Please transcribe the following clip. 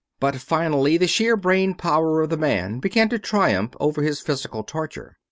But finally the sheer brain power of the man began to triumph over his physical torture.